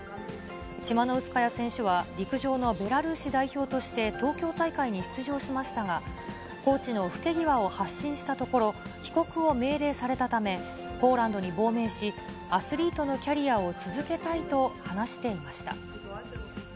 チマノウスカヤ選手は、陸上のベラルーシ代表として東京大会に出場しましたが、コーチの不手際を発信したところ、帰国を命令されたため、ポーランドに亡命し、アスリートのキャリアを続けたいと話していました。